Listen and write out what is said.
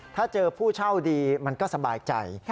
ถ้าเจอผู้เช่าดีมันก็สบายใจ